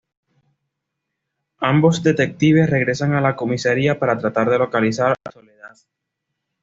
Ambos detectives regresan a la comisaria para tratar de localizar a Soledad.